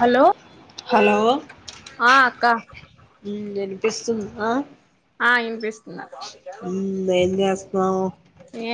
Hello hello ఆహ్ అక్క ఉమ్ యినిపిస్తుందా ఆహ్ యినిపిస్తుందక్ ఏం చేస్తున్నావ్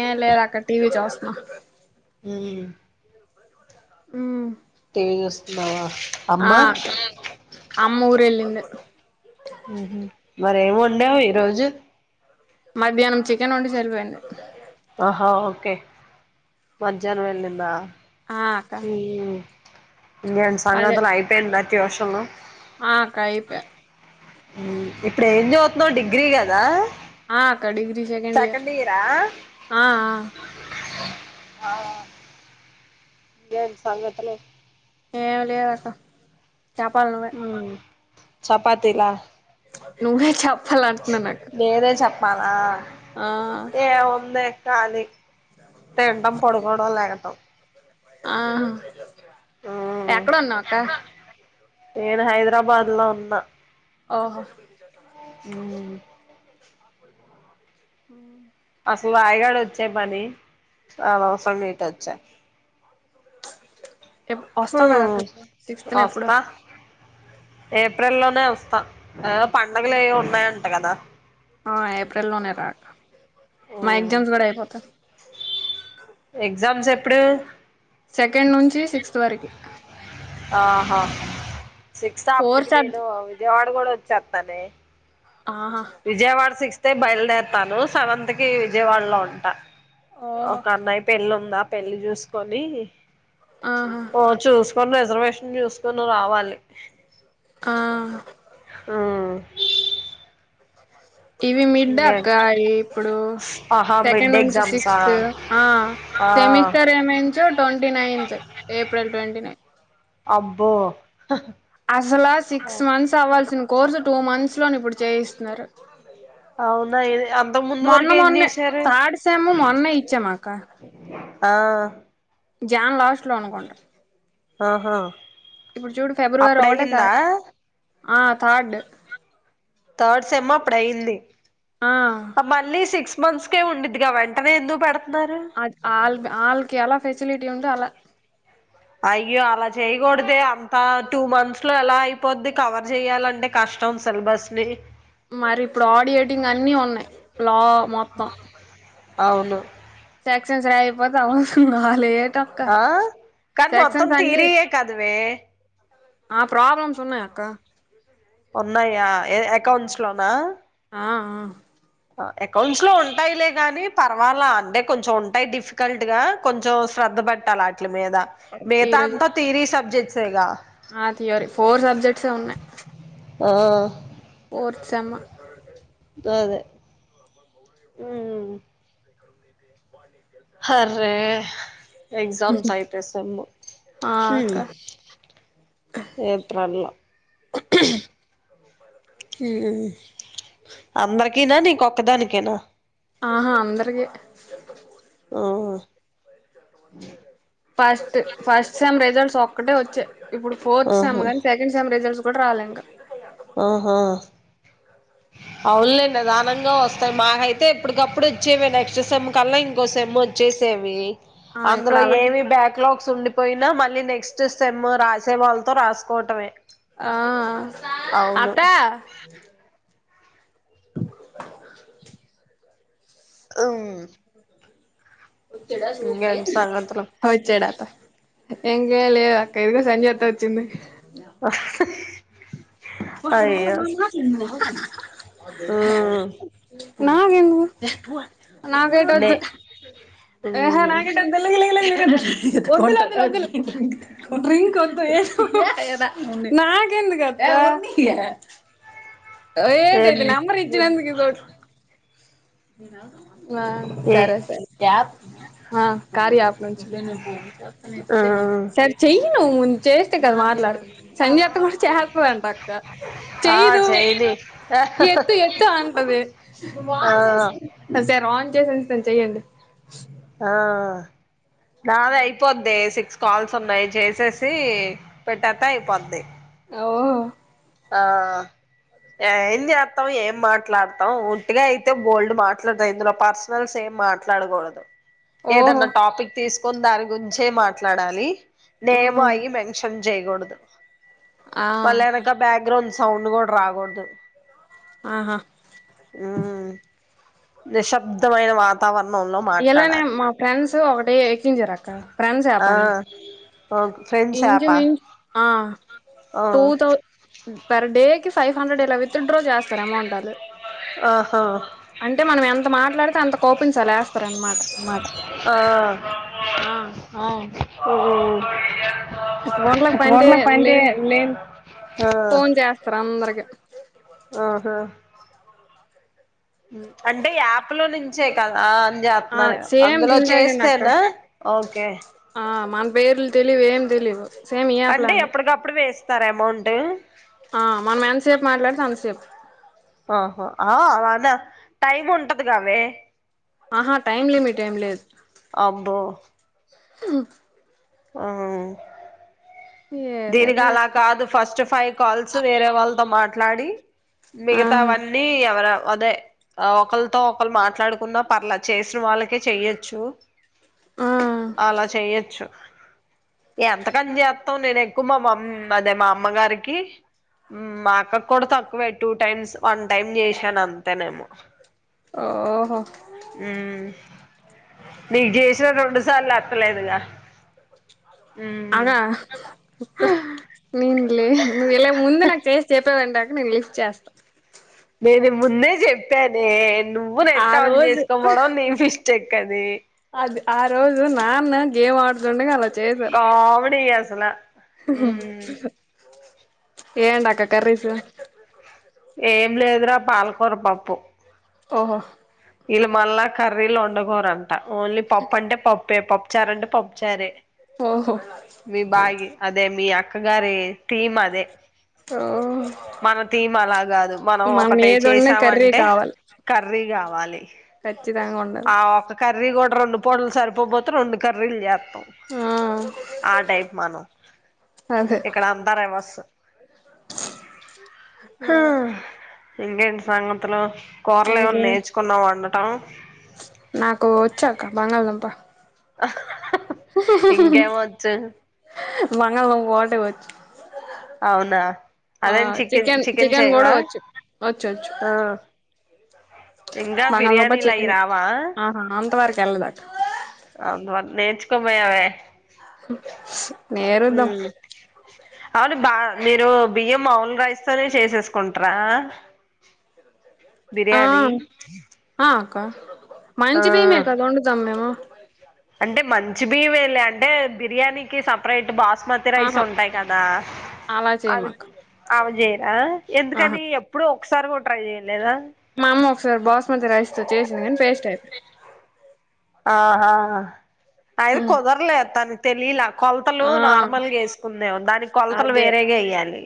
ఏన్లెదక్క టీవీ చొస్తున్న ఉమ్ ఉమ్ టివి చూస్తున్నావా అమ్మా అక్క అమ్మ ఊరు ఎల్లేదే మరేం వండవ్ ఈరోజు మధ్యాహ్నం చికెన్ వండేసి ఎళ్ళిపోయింది ఆహా ఓకే మజహ్నం వెళ్లిందా ఆహ్ అక్క ఇంగేటి అదే సంగతులు అయిపోయిందా ట్యూషను ఆ అక్క అయిపై ఇప్పుడు ఏం చద్వుతున్నావు డిగ్రీ గదా ఆ అక్క డిగ్రీ సెకండ్ ఇయర్ ఆహా ఆహ్ ఇంగేటి సంగతులూ ఏం లేవక్క చేపల నువ్వే చెపాతీలా నువ్వే చప్ నేనే చెప్పాలా ఆ ఏంవుంది ఖాళీ తిండం పోడుకోవడం లెగటం ఆహా ఉమ్ ఎక్కడున్నావ్ అక్క నేను హైదరాబాద్లో ఉన్నా ఓహొ ఉమ్ అస్ల వయిగాడొచ్చె పని అనవసరంగా ఇటొచ్చా ఎప్ వస్తావ్ కదక్క సిక్స్త్ న ఎప్పుడు ఏప్రిలోనే వస్తా అవ్ పండుగలు ఏవో ఉన్నాయంట కదా ఆ ఏప్రిల్ లోనే రా అక్క మా హ్మ్ ఎగ్జామ్స్ గుడా అయిపోతాయ ఎగ్జామ్స్ ఎప్పుడు సెకండ్ నుంచి సిక్స్త్ వరకి అ ఆహా ఫోర్ సిక్స్తాఅప్పటికి సబ్ నేను విజయవాడ కూడా వచ్చేతానే ఆహా విజయవాడ సిక్స్త్ ఏ బయల్దేరుతను సెవెంత్ కి విజయవాడ్లో ఉంటా ఓహో ఒక అన్నయ పెళ్లి ఉంది ఆ పెళ్లి చూసుకొనీ ఆహా ఓ చూస్కొని రిజర్వేషన్ చూసుకొని రావాలి ఆ ఆహ్ ఇవి మిడ్ అక్క ఇప్పుడు ఆహా సెకండ్ మిడ్ నుంచి ఎగ్జామ్సా సిక్స్త్ ఆ ఆ సెమిస్టర్ ఏమించ్చు ట్వంటీనైన్త్ ఏప్రిల్ ట్వంటైనైన్ అబ్బో అసలా సిక్స్ మంత్స్ అవ్వాల్సిన కోర్సు టూ మంస్లోను ఇప్పుడు చేయిస్తున్నారు అవునా అంతకు ముందు మొన్న వరకు ఏం మొన్న చేశారు థర్డ్ సేము మొన్నే ఇచ్చామక్కా ఆ జాన్ లాస్ట్ లో అనుకుంటా అహా ఇప్పుడు చూడు ఫిబ్రవరి ఒకటో తారీక్ ఆ థర్డ్ థర్డ్ సెమా ప్డయింది ఆ మళ్ళీ సిక్స్ మంత్స్కే ఉండిదిగా వెంటనే ఎందుకు పెడ్ అ ఆల్ ఆళ్కి ఎలా ఫెసలిటీ ఉందొ అలా అయ్యో అలా చేయ్యగూడదే అంత టూ మంత్స్ లో ఎలా అయిపోద్ది కవర్ చేయాలంటే కష్ట మొత్తం సిల్బస్ని మరి ఇప్పుడు ఆడియేటింగ్ అన్ని ఉన్నాయి లా మొత్తం అవును సక్సెస్ డ్ అయిపోతావు లేట్ ఆక్క ఆ కానీ మొత్తం సెక్షన్స్ అన్ని థియరీయే కదవే ఆ ప్రాబ్లమ్స్ ఉన్నాయ అక్క ఉన్నాయా ఏ ఏ అకౌంట్స్ లో నా అ అకౌంట్స్ లో ఉంటాయిలే గాని పర్వాలా అంటే కొంచెం ఉంటాయి డిఫికల్ట్ గా కొంచెం శ్ర ర్థ పెట్టాలి అట్ల మీద ఆ మిగతా ఈరోజు అంతా థిరీ సబ్జెక్ట్సే ఎగా ఆ థియోరీ ఫోర్ సబ్జెక్ట్స్ ఏ ఉన్నాయి ఆ ఫోర్ సేమ్ గాదె ఉమ్ హార్రే ఎగ్జామ్స్ అయితే సెమ్ ఆ అక్క ఏప్రిల్ లో ఉమ్ అందరికిన నీకొక్కదానికేనా ఆహా అందరికీ ఓహో ఫస్ట్ ఫస్ట్ సెమ్ రిజల్ట్స్ ఒక్కటే వచ్చాయి ఇప్పుడు ఫోర్త్ సెమ్ ఆహా గాని సెకండ్ సెమ్ రిజల్ట్స్ ఎప్పుడు రాలెంక ఆహా అవునులే నిదానంగా వస్తాయి మాకైతే ఎప్పటికప్పుడు చ్చేవే నెక్స్ట్ సెమ్ కల్లా ఇంకో సేమ్ వొచ్చి సేవి ఆ ఇక్కడ అందులో అలాగే ఏమి బ్యాక్‌లాగ్స్ ఉండిపోయినా మళ్ళీ నెక్స్ట్ సేమ్ రాసే వాళ్ళ తం రాసుకుంటమే ఆ అత్త అమ్ సంగతులు వచ్చేడట ఏజాయలే అక్క ఇదిగో సంధ్య అత్త వొచ్చింది వహ్ [inaudible] ఉమ్ నాకెంద్ నాకు అయితే నే వద్దు ఏహా ఉమ్ నాక్ తే వొద్దు డ్రింక్ వొదే నాకెందుకు అత్త ఎటైతే ఏంది నంబర్ ఇచ్చినందుకి హ ఏ సరే సరే యాప్ అ కార్య యాప్ ఉమ్ సర్ చెయ్యు నువ్వు చేస్తే కదా మాట్లాడు సంజత్ క చేస్తాదంట అక్క ఆ చెయదు చెయ్యని ఎత్తు ఎత్తు ఆంటది ఆ సార్ ఆన్ చేసిఉంచుతాను చెయ్యండి ఆ నాది అయిపోద్దే సిక్స్ కాల్స్ ఉన్నాయి చేసేసి పెట్టత్తే అయిపోద్ది యావరు ఆ ఏం చేత్తమ్ ఏం మాట్లాడతాం ఉట్టిగ అయితే బోల్డు మాట్లాడతాం ఇందులో పర్సనల్స్ ఎం మాట్లాడగుడదు ఓహో ఏదన్నా టాపిక్ తీసుకొన్ దాని గురించే మాట్లాడాలి నేమ్ అయి మెన్షన్ జయకూడదు ఆ బ్యాక్‌గ్రౌండ్ సౌండ్ కూడా రాకూడదు ఆహా ఉమ్ నిశ్శబ్దమైన వాతావరణం ఇలానే మా ఫ్రెండ్స్ ఒకటి ఎక్కించరక్క ఫ్రెండ్స్ ఆ యాపనే ఓ ఫ్రెండ్స్ ఇంచు యాపా మించు ఆ ఆ టూ తౌ పర్ డేకి ఫైవ్ హండ్రెడ్ ఇలా విత్ డ్ర జాస్త్ ఆహా అంటే మనం ఎంత మాట్లాడితే అంత కోపిన్స్ అలా ఎస్తరన్నమాట ఆ ఆ కొకొ ఉ గుంట్లకు పంట లేని లేదు ఆ ఫోన్ చేస్తరు అందరికి ఆహా అంటే యాప్ లో నుంచే కదా న్యా [unintelligible] ఆ జేస్తున్నారు సేమ్ అందులో దీనిలాగేనక్క చేస్తేనా ఓకే ఆ మన పేర్లు తెలివు ఏం తెలీవు సేమ్ అంటే ఈయాప్లానే ఎప్పటికప్పుడు వేస్తారా అమౌంట్ ఆ మనం ఎంసేపు మాట్లాడితే అంతసేపు ఆహ ఆ వన్న టైం ఉంటది కావే ఆహా టైమ్ లిమిట్ ఎం లేదు అబ్బో అవ్ దీనికి ఏదేటో అలా కాదు ఫస్ట్ ఫైవ్ కాల్స్ వేరే వాల్తో మాట్లాడి ఆహా మిగతావన్నీ ఎవరవ్ అదే ఒకల్తో ఒకళ్ళు మాట్లాడుకున్నా పర్లే చేసిన వాళ్ళకే చెయ్యొచ్చు ఆ అలా చెయ్యొచ్చు ఎంతకని చేత్తవ్ నేను ఎక్కువ మా మమ్ అదే మా అమ్మ గారికి మాక్క కి కూడా తక్కువే టూ టైమ్స్ వన్ టైమ్ చేశినాను అంతేనేమో ఓహో ఉమ్ నీగ్జేసిన రెండు సార్లు ఎత్తలేదుగా మ్మ్ అవునా నేన్ లే నువ్ ఇలా నువ్వు ముందు నాకు చేసి చెప్పేవంటే అక్క నేను లిఫ్ట్ చేస్తా నేను ముందే చెప్పానే నువ్వు ఆ నెట్ ఆన్ రోజు చేసుకోపోడం నీ మిష్ చెక్కది అది ఆ రోజు నాన్న గేమ్ ఆడుతుండగా అలా చేసరా కామెడీ అసల మ్మ్ ఏంటక్క కర్రీసు ఏం లేదురా పాలకూర పప్పు ఒహో ఈళ్ళు మన్ల కర్రీలు వండుకోరంట ఓన్లీ పప్పు అంటే పప్పే పప్పుచారు అంటే పప్పుచారే ఓహో మీ బాగి అదే మీ అక్క గారి తీమ్ అదే ఓహో మన తీమ్ అలా గాదు మనం ఒకటి ఏదొండినా కర్రీ చేసామంటే కావాలి కర్రీ గావ ఖచ్చితంగా ఉండాలి ఆ ఒక కర్రీ కూడా రెండు పూటలు సరిపోపోతే రెండు కర్రీలు చేత్తం ఆ ఆ టైప్ మనం అదే ఇక్కడ అంత రివర్సు హ అదే ఇంకేంటి సంగతులు కూరలు ఏమన్నా ఇంకేం నేర్చుకున్నవ వండటం ఇచ్చాక్క బంగాళదుంప ఇంకేమొచ్చు బంగాళదుంప ఒకటే వచ్చు అవునా ఆ అదైన చికెన్ చికెన్ కూడా చెైవా వచ్చు వచ్చు వచ్చు ఆ ఇంగా బంగాళదుంప చికెన్ బిర్యానీలయిరావా ఆహా అంత వరకు వెళ్ళదక్క అవును నేర్చుకో పోయావే హు నేరుద్దాం అవును బ మీరు బియ్యం మాములు రైస్ తోనే చేసేసుకుంట్ర బిర్యానీ క ఆ మంచి భీయమే కదా ఓండుతం మేము అంటే మంచి బియ్యమేలే అంటే బిర్యానీకి సప్రేట్ బాస్ స్మతి రైస్ ఆహా ఉంటాయి కదా అలా అవి చేయమక్క అవి చేయరా ఆహా ఎందుకని ఎప్పుడో ఒకసారీ గు మా అమ్మ ఒకసారి బాస్మతి రైస్ తో చేసింది కానీ పేస్టై ఆ ఆ అవి అయిపోయింది కుదర్లే తనక్ తెలీల కొలతలు ఆ నార్మల్గా ఎస్కుందేమో దానికి కొలతలు వేరేగేయ్యాలి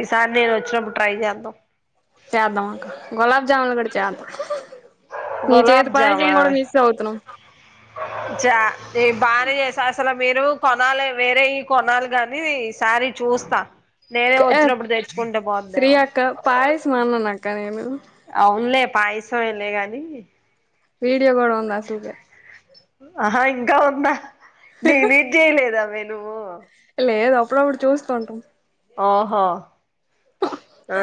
ఈసారి నేను వచ్చినప్పుడు ట్రై జెద్దాం చేద్దాం అక్క గులాబ్ జాములు కూడా చేద్దాం నీ చేతి గులాబ్ పాయసం జామా కూడా మిస్ అవుతున్నాం జ ది బానె జెసేస్ అసల మీరు కొనాలే వేరే ఈ కొనాల్ గాని ఈ సారీ చూస్తా నేనే ఏ వచ్చినప్పుడు తెచ్కుంటే శ్రీ పోందేమో అక్క పాయసం అన్నాను అక్క నేను అవున్లే పాయసం ఎం లే గని వీడియో కూడా ఉందా అసలుకే ఆహా ఇంకా ఉందా డిలీట్ చేయలేదా వీల్లు లేద్ అప్పుడ అప్పుడు చూస్తూంటాం ఓహో ఆ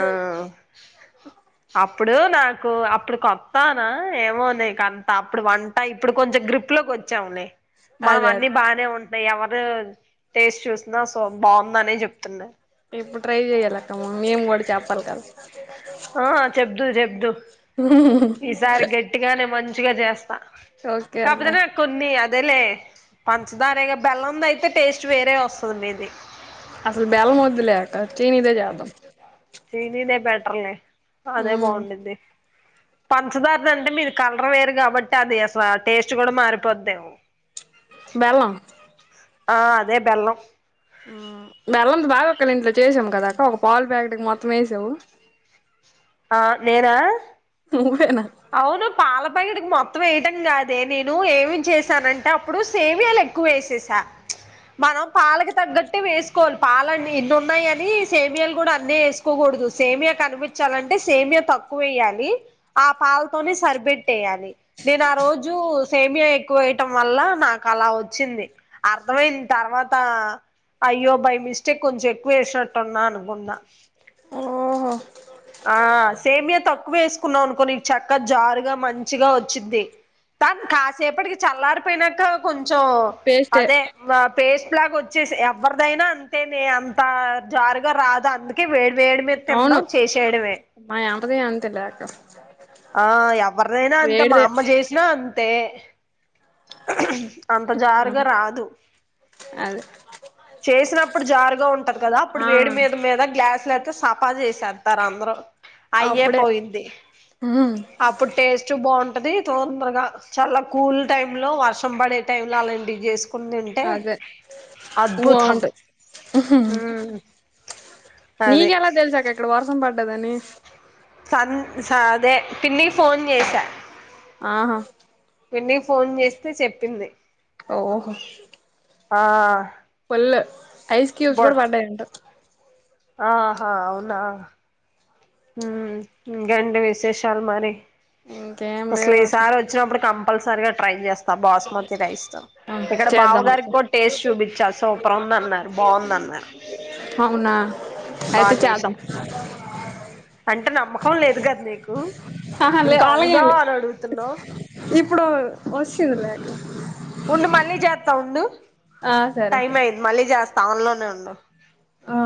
అప్ ఇప్పుడు నాకు అప్పుడు కొత్తాన ఏమో నీకు అంత అప్పుడు వంట ఇప్పుడు కొంచెం గ్రిప్ లో కొ చ్చం లే మానం అదే అన్నీ అదే బానే ఉన్ ఎవరు టేస్ట్ చూసినా సో బాముందనే చెప్తున్నా ఎప్పుడు ట్రై చెయ్యాలక్క మేము కూడా చెప్పాల్ కదా ఆ చెబ్దు చెబ్దు ఈసారి గట్టిగానేే మంచిగా జేస్తా ఓకే అక్క కాపోతే నే కొన్ని అదేలే పంచదారేగా బెల్లందైతే టేస్ట్ వేరే వస్తది మీది అసలు బేల్లం ఓదులే అక్క చినిదే చేదాం చినిదే బెటర్లే అదే ఉమ్ బాగుండిద్ధి పంచదార్దాండి అంటే మీది కలర్ వేరు కాబట్టి అది అసలు టేస్ట్ కూడా మారిపోద్దేమో బెల్లం ఆ అదే బెల్లం ఆ బెల్లం బాగా వక్కలిం చేసాం కదాక్క ఒక పాలు ప్యాకెట్కి మొత్తం ఏసావ్ ఆ నేనా అ అవును పాల ప్యాకిట్కి మొ తం వేయటం కాదే నేను ఏమి చేసానంటే అప్పుడు సేవియాలు ఎక్కువేసేసా మనం పాలకు తగ్గట్టు వేసుకోవాలి పాలని ఇన్ని ఉన్నాయ్ అని సేమియాలు కూడా అన్నే ఎస్సుకోకూడ్ కూడదు సేమియా కనిపించాలంటే సేమియా తక్కువేయ్యాలి ఆ పాలతోనే సరిపెట్టేయాలి నేను ఆ రోజు సేమియా ఎక్కువేయటం వల్ల నాక్ అలా వచ్చింది అర్థమైంది తర్వాత అయ్యో బై మిస్టేక్ కొంచెం ఎక్కువేసినట్టున్నా అనుకుంన్నా ఓహో ఆ సేమియా తక్కువేస్కున్నావా అనుకో నీక్ చక్కగ్ జారుగా మంచిగా ఒచ్చిద్ధి తన్ కాసేపటికి చల్లారిపోయినంక కొంచెం పేస్టే అదే ఆ పేస్ట్ ట్లాగోచ్చేసయ్ ఎవరిదైనా అంతే నే అంత జారగా రాదు అందుకే వేడ్ వేడి మీద అవును తిండం చ్ మా యాంటది అంతే లే ఆ ఎవరిదైనా అంతే మా అమ్మ చేసినా అంతే అంత జారుగా వేడిదే రాదు అదే చేసినప్పుడు జారుగా ఉంటది కదా అప్పుడు ఆ వేడి మీద మీద గ్లాస్లు సఫా చేసేత్తారు అంద్రు అయ్యే అప్పుడే పోయింది హ్మ్ అప్పుడ్ టేస్ట్ బౌం టది తోందరగ చాల కూల్ టైంలో వర్షం పడే టైంలో అలాంటివ్ చేస్ కుందుంటే అదే అద్భుథం బాగుంటది హు మ్ నీకెలా దెల్స్ అక్క ఇక్కడ వర్సం పడ్డదని సన్ సదే పిన్ని ఫోన్ జేసా ఆహ విన్ని కి ఫోన్ జేస్తే చెప్పింది. ఓహొ ఆ ల్ ఐస్ క్యూబ్స్ గూడ పడ్డయంట ఆహ అవునా హ్మ్ ఇంగెంటి విశేషాల్ మరి ఇంకేం అస్లు లేవు అసలు ఈసారి ఒచ్చినప్పుడు కం పల్సరి గా ట్రైజేస్తా బాస్మతి రైస్ తో ఇక్కడ చేద్దాం అక్క బావగారిక్కూడ టేస్ట్ చూపిచ్చాస్ తూపర్ ఉందన్నారు బావుందన్ అవునా ఐతే బాగా చేసా చేద్దం అంటే నమ్మకం లేదు గద్ నీకు హాహ లె ఇంకా అలాగేం అవునా లే అని అడుగుతున్నావు ఇప్పుడు వస్సింది లేక థౌండు ఆ సరే టైం సరే అయింద్ మళ్ళీ జేస్త అన్లోనే ఉండు ఆ